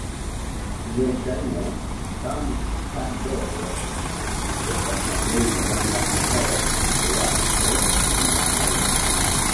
Verŝajne Bam-citadelo estas la plej granda adob-konstruaĵo en la mondo.